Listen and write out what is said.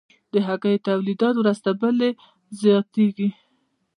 د هګیو تولیدات ورځ تر بلې زیاتیږي